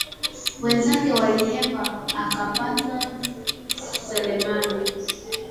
Wenzake walihepa akaptwa Selemani